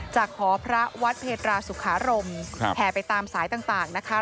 จากขอพระวัตพระเทระสุขรมแผ่ไปตามสายต่างนะคะ